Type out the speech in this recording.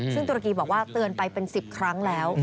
ซึ่งตุรกีบอกว่าเตือนไปเป็น๑๐ครั้งแล้ว